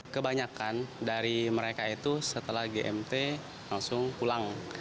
kebanyakan dari mereka itu setelah gmt langsung pulang